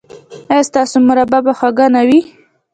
ایا ستاسو مربا به خوږه نه وي؟